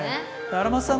荒俣さん